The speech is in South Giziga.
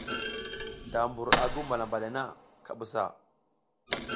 Da mbur a guw malamba le na, ka busa.